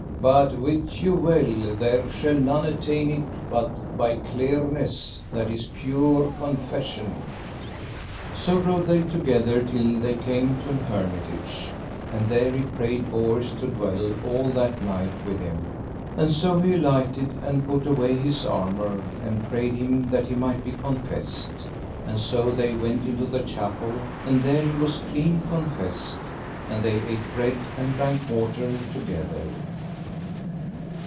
But wit you well there shall none attain it but by cleanness, that is pure confession. So rode they together till that they came to an hermitage. And there he prayed Bors to dwell all that night with him. And so he alighted and put away his armour, and prayed him that he might be confessed; and so they went into the chapel, and there he was clean confessed, and they ate bread and drank water together.